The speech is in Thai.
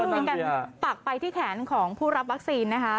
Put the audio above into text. เป็นการปักไปที่แขนของผู้รับวัคซีนนะคะ